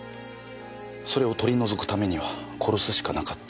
それを取り除くためには殺すしかなかった。